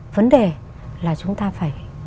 vấn đề là chúng ta phải